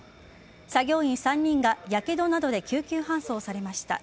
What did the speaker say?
作業員３人がやけどなどで救急搬送されました。